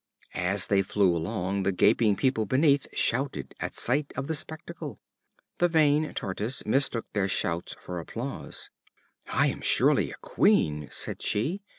As they flew along, the gaping people beneath shouted at sight of the spectacle. The vain Tortoise mistook their shouts for applause. "I am surely a queen," said she.